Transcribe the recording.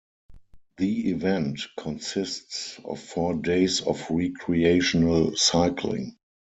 The event consists of four days of recreational cycling.